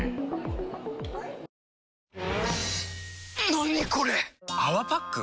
何これ⁉「泡パック」？